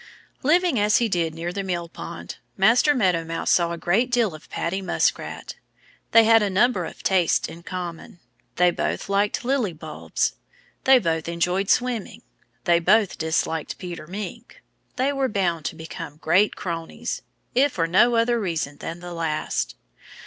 LIVING, as he did, near the mill pond, Master Meadow Mouse saw a great deal of Paddy Muskrat. They had a number of tastes in common. They both liked lily bulbs. They both enjoyed swimming. They both disliked Peter Mink. They were bound to become great cronies if for no other reason than the last.